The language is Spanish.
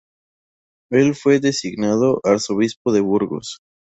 El fue designado arzobispo de Burgos.